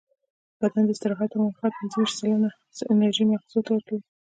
بدن د استراحت پر مهال پینځهویشت سلنه انرژي مغزو ته ورکوي.